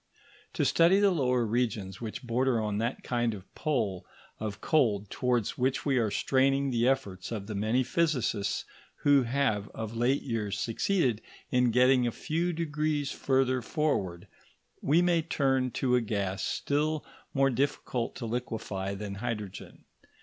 To study the lower regions which border on that kind of pole of cold towards which are straining the efforts of the many physicists who have of late years succeeded in getting a few degrees further forward, we may turn to a gas still more difficult to liquefy than hydrogen.